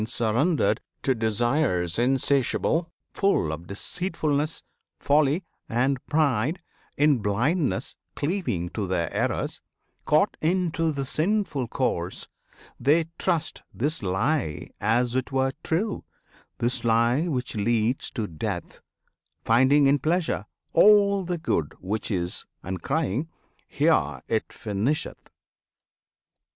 Surrendered to desires insatiable, Full of deceitfulness, folly, and pride, In blindness cleaving to their errors, caught Into the sinful course, they trust this lie As it were true this lie which leads to death Finding in Pleasure all the good which is, And crying "Here it finisheth!"